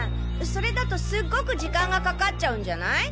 それだとすっごく時間がかかっちゃうんじゃない？